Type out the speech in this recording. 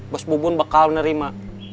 bos bubun bakal nerima